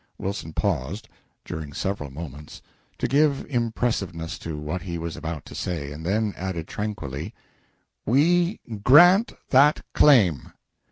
Wilson paused, during several moments, to give impressiveness to what he was about to say, and then added tranquilly, "We grant that claim."